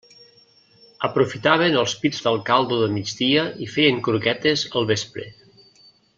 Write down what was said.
Aprofitaven els pits del caldo de migdia i feien croquetes al vespre.